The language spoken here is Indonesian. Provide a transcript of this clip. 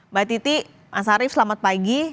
mbak titi mas arief selamat pagi